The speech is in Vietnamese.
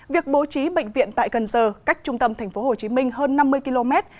việc bố trí bệnh viện tại cần giờ cách trung tâm tp hcm hơn năm mươi km